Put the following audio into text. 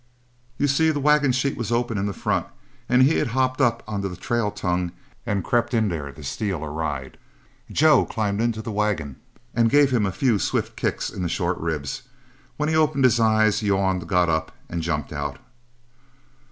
You see, the wagon sheet was open in front, and he had hopped up on the trail tongue and crept in there to steal a ride. Joe climbed into the wagon, and gave him a few swift kicks in the short ribs, when he opened his eyes, yawned, got up, and jumped out."